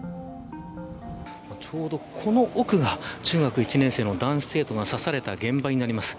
ちょうど、この奥が中学１年生の男子生徒が刺された現場になります。